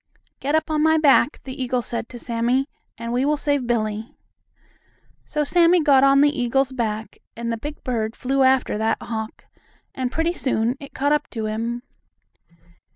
"Get up on my back," the eagle said to Sammie, "and we will save Billie." So Sammie got on the eagle's back, and the big bird flew after that hawk, and, pretty soon, it caught up to him.